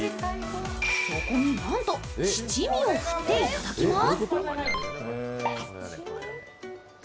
そこに、なんと七味を振って頂きます。